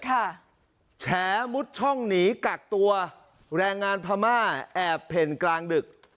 แฉมุดช่องหนีกักตัวแรงงานพม่าแอบเผ่นกลางดึก